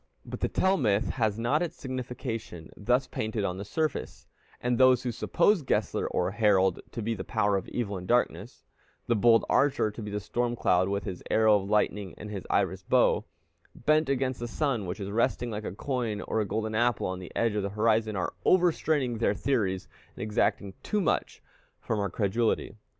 But the Tell myth has not its signification thus painted on the surface; and those who suppose Gessler or Harald to be the power of evil and darkness, the bold archer to be the storm cloud with his arrow of lightning and his iris bow, bent against the sun, which is resting like a coin or a golden apple on the edge of the horizon, are over straining their theories, and exacting too much from our credulity.